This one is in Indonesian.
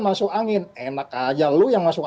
masuk angin enak aja lu yang masuk